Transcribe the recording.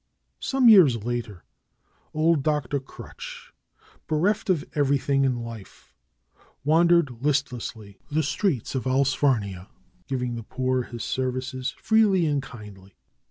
Some years later old Dr. Crutch, bereft of everything in life, wandered listlessly the streets of Allsfarnia, giving the poor his services, freely and kindly.